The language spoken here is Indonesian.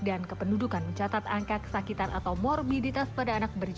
dan kependudukan mencatat angka kesakitan atau morbiditas pada anak berjenis